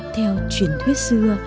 theo truyền thuyết xưa